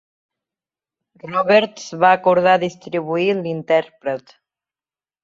Roberts va acordar distribuir l'intèrpret.